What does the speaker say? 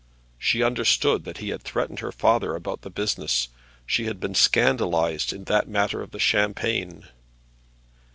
She understood that he had threatened her father about the business, and she had been scandalized in that matter of the champagne.